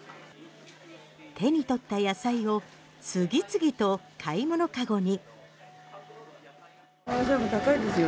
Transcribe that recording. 手に取った野菜を次々と買い物籠に。